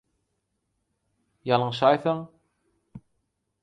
Ýalňyşaýsaň…